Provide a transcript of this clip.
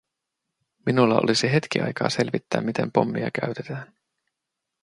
Minulla olisi hetki aikaa selvittää, miten pommia käytetään.